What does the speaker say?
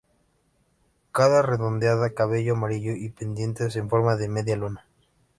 Cara redondeada, cabello amarillo y pendientes en forma de media luna.